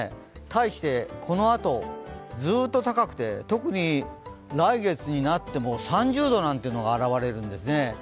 対して、このあとずっと高くて特に来月になっても３０度なんてのが現れるんですね。